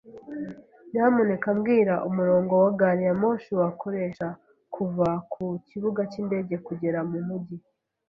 Nyamuneka mbwira umurongo wa gari ya moshi wakoresha kuva ku kibuga cyindege kugera mu mujyi.